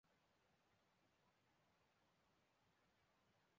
可以自定义文件扩展名关联的处理方式和首选的编码来覆盖默认设置。